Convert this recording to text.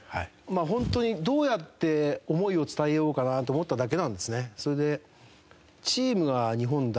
本当にどうやって思いを伝えようかなと思っただけなんですね。